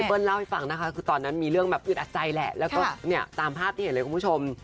เล่าให้ฟังนะคะคือตอนนั้นมีเรื่องแบบอึดอัดใจแหละแล้วก็เนี่ยตามภาพที่เห็นเลยคุณผู้ชม